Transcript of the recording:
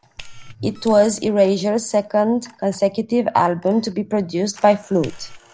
It was Erasure's second consecutive album to be produced by Flood.